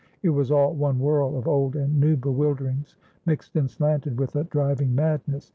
It was all one whirl of old and new bewilderings, mixed and slanted with a driving madness.